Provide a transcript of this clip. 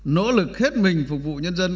nỗ lực hết mình phục vụ nhân dân